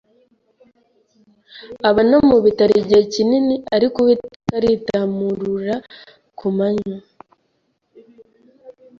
aba no mu bitaro igihe kinini ariko Uwiteka aritamurura ku manywa